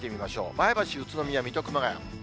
前橋、宇都宮、水戸、熊谷。